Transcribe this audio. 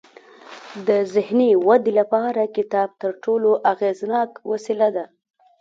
د ذهني ودې لپاره کتاب تر ټولو اغیزناک وسیله ده.